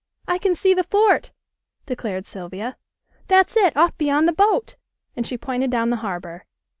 "I can see the fort!" declared Sylvia. "That's it off beyond the boat," and she pointed down the harbor.